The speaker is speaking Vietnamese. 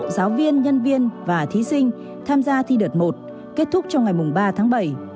giáo viên nhân viên và thí sinh tham gia thi đợt một kết thúc trong ngày ba tháng bảy